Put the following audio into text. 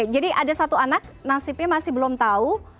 jadi ada satu anak nasibnya masih belum tahu